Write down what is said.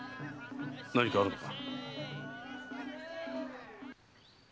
何かあるのか？